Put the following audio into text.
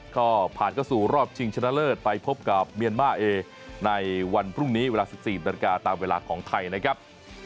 ก็ผ่านเข้าสู่รอบชิงชนะเลิศไปพบกับเมียนมาร์เอในวันพรุ่งนี้เวลา๑๔นาฬิกาตามเวลาของไทยนะครับ